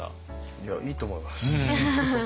いやいいと思いますとても。